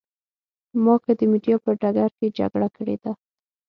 ما که د مېډیا په ډګر کې جګړه کړې ده.